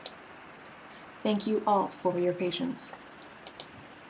Thank you all for your patience.